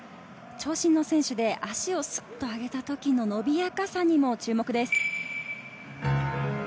長身の選手で足を上げた時の伸びやかさにも注目です。